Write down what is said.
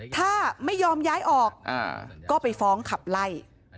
ถ้าไม่ยอมย้ายออกก็ไปฟ้องขับไล่